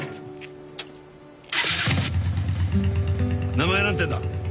名前何て言うんだ？